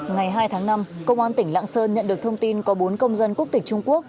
ngày hai tháng năm công an tỉnh lạng sơn nhận được thông tin có bốn công dân quốc tịch trung quốc